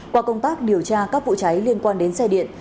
qua công tác điều tra các vụ cháy liên quan đến xe điện